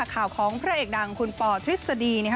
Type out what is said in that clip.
ข่าวของพระเอกดังคุณปอทฤษฎี